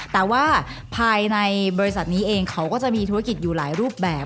แต่ว่าภายในบริษัทนี้เองเขาก็จะมีธุรกิจอยู่หลายรูปแบบ